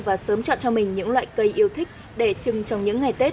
và sớm chọn cho mình những loại cây yêu thích để chừng trong những ngày tết